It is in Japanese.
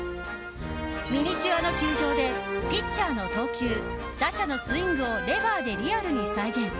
ミニチュアの球場でピッチャーの投球打者のスイングをレバーでリアルに再現。